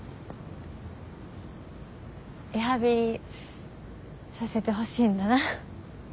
リハビリさせてほしいんだな。